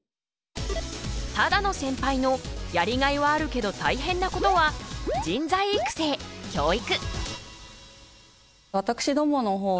只野センパイのやりがいはあるけど大変なことは人材育成・教育。